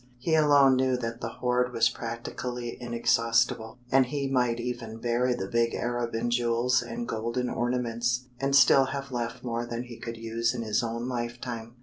He alone knew that the hoard was practically inexhaustible, and he might even bury the big Arab in jewels and golden ornaments and still have left more than he could use in his own lifetime.